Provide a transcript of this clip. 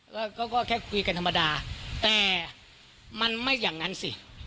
แล้วก็ก็แค่คุยกันธรรมดาแต่มันไม่อย่างนั้นสิ